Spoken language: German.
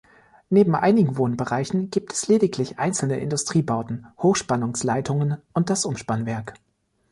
Neben einigen Wohnbereichen gibt es lediglich einzelne Industriebauten, Hochspannungsleitungen und das Umspannwerk.